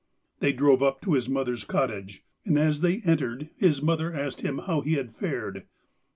They drove up to his mother's cottage, and as they entered his mother asked him how he had fared.